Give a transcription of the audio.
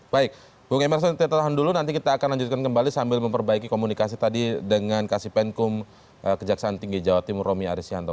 baik bung emerson kita tahan dulu nanti kita akan lanjutkan kembali sambil memperbaiki komunikasi tadi dengan kasipenkum kejaksaan tinggi jawa timur romi aris yanto